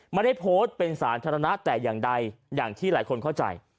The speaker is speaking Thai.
ไม่ได้โพสต์เป็นสาธารณะแต่อย่างใดอย่างที่หลายคนเข้าใจ